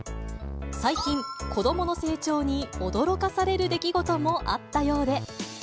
最近、子どもの成長に驚かされる出来事もあったようで。